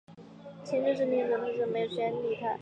清真寺另一特色是没有宣礼塔。